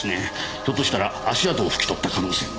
ひょっとしたら足跡を拭き取った可能性も。